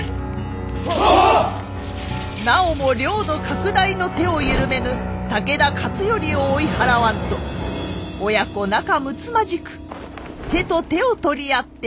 なおも領土拡大の手を緩めぬ武田勝頼を追い払わんと親子仲むつまじく手と手を取り合っておりました。